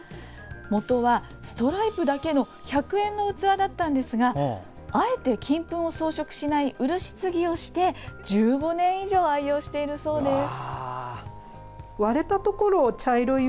もとはストライプだけの１００円の器だったんですがあえて金粉を装飾しない漆継ぎをして１５年以上愛用しているそうです。